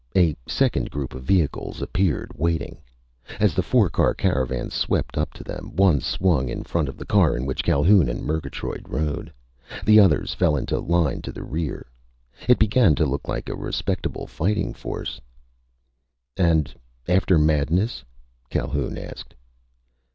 A second group of vehicles appeared, waiting. As the four car caravan swept up to them, one swung in front of the car in which Calhoun and Murgatroyd rode. The others fell into line to the rear. It began to look like a respectable fighting force. "And after madness?" Calhoun asked.